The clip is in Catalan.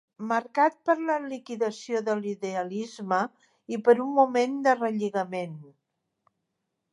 Marcat per la liquidació de l'idealisme i per un moment de relligament.